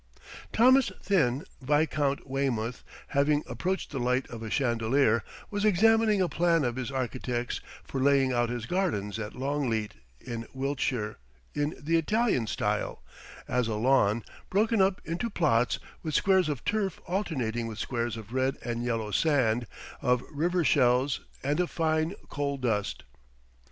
Thomas Thynne, Viscount Weymouth, having approached the light of a chandelier, was examining a plan of his architect's for laying out his gardens at Longleat, in Wiltshire, in the Italian style as a lawn, broken up into plots, with squares of turf alternating with squares of red and yellow sand, of river shells, and of fine coal dust.